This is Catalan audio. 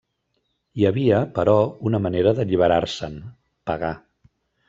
Hi havia, però, una manera d'alliberar-se'n: pagar.